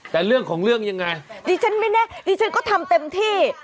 แต่เรื่องของเรื่องยังไงดิฉันไม่แน่ดิฉันก็ทำเต็มที่